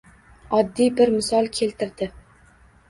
Oddiy bir misol keltirdi.